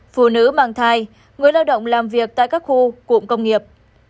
phụ nữ mang thai người lao động làm việc tại các khu cụm công nghiệp